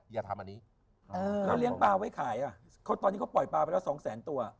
แล้วเลี้ยงปลาไว้ขายตอนนี้เขาปล่อยปลาไปแล้ว๒แสนตัว